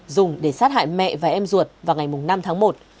dùng để sát hại mẹ và em ruột vào ngày năm tháng một